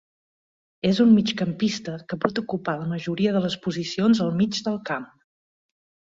És un migcampista que pot ocupar la majoria de les posicions al mig del camp.